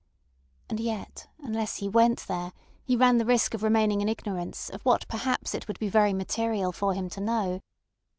And yet unless he went there he ran the risk of remaining in ignorance of what perhaps it would be very material for him to know.